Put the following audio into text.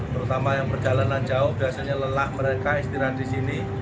terutama yang perjalanan jauh biasanya lelah mereka istirahat di sini